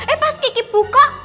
eh pas gigi buka